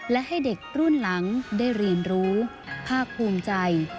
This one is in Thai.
และให้เด็กรุ่นหลังได้เรียนรู้ภาคภูมิใจ